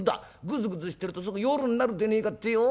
ぐずぐずしてるとすぐ夜になるでねえかってよ